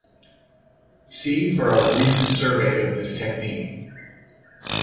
See for a recent survey of this technique.